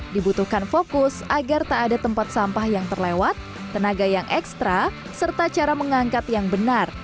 dibutuhkan fokus agar tak ada tempat sampah yang terlewat tenaga yang ekstra serta cara mengangkat yang benar